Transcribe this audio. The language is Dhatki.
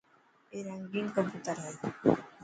اي رنگين ڪبوتر هي.